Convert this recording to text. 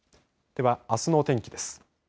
では、あすの天気です。